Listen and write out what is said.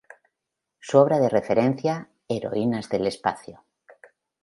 Su obra de referencia, ""Heroínas del Espacio.